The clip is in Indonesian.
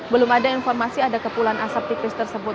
belum ada informasi ada kepulan asap tipis tersebut